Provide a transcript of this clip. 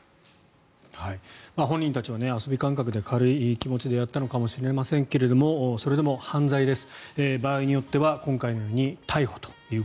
本人たちは遊び感覚で軽い気持ちでやったのかもしれませんけれどもそれでも犯罪です。